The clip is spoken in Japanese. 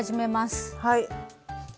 はい。